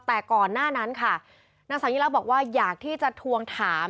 แต่ก่อนหน้านั้นค่ะนางสาวยิ่งลักษณ์บอกว่าอยากที่จะทวงถาม